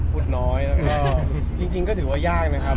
สมมติหน้ายจริงก็ถือว่ายากนะครับ